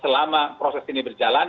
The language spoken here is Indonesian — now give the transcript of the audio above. selama proses ini berjalan